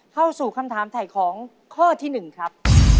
เข้าสู่คำถามถ่ายของข้อที่๑ครับ